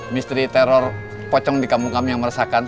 misteri teror pocong di kampung kami yang meresahkan